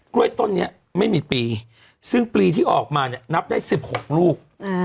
้วยต้นนี้ไม่มีปีซึ่งปลีที่ออกมาเนี่ยนับได้๑๖ลูก